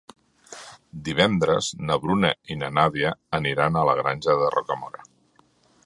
Divendres na Bruna i na Nàdia aniran a la Granja de Rocamora.